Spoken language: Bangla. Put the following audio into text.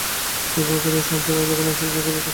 বিবাহ করিয়া এ সংসারে যখন আসিয়াছি তখন গুরুঠাকুরকে দেখি নাই।